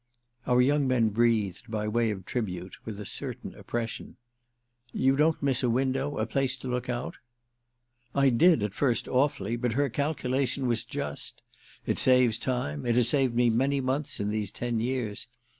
Our young man breathed—by way of tribute—with a certain oppression. "You don't miss a window—a place to look out?" "I did at first awfully; but her calculation was just. It saves time, it has saved me many months in these ten years.